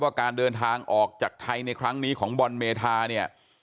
การเดินทางออกจากไทยในครั้งนี้ของบอลเมธาเนี่ย